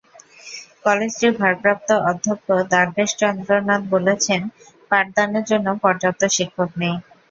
কলেজটির ভারপ্রাপ্ত অধ্যক্ষ দ্বারকেশ চন্দ্র নাথ বলেছেন, পাঠদানের জন্য পর্যাপ্ত শিক্ষক নেই।